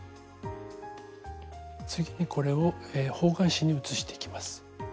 次にこれを方眼紙に写していきます。